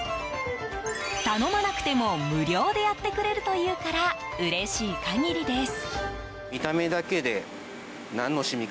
頼まなくても無料でやってくれるというからうれしい限りです。